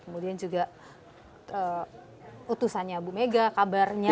kemudian juga utusannya bu mega kabarnya